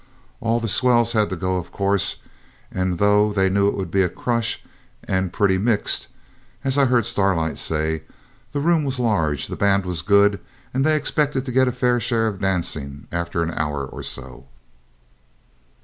All the swells had to go, of course, and, though they knew it would be a crush and pretty mixed, as I heard Starlight say, the room was large, the band was good, and they expected to get a fair share of dancing after an hour or so.